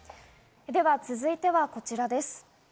続いてはこちらです。